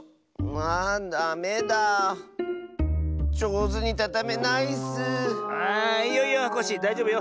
あいいよいいよ。